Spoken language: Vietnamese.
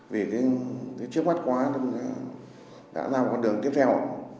vì trước mắt quá đã ra một con đường tiếp theo